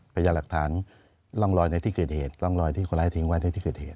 เป็นอย่างหลักฐานล่องรอยในที่เกิดเหตุ